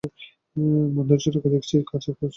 মান্দ্রাজীরা দেখছি, কাগজ বার করতে পারলে না।